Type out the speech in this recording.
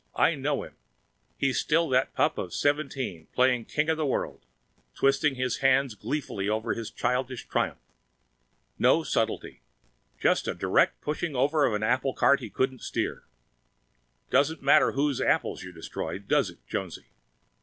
I know him! He's still that pup of seventeen, playing king with the world, twisting his hands in glee over his childish triumph. No subtlety! Just a direct pushing over an applecart he couldn't steer! Doesn't matter whose apples you destroy, does it, Jonesy?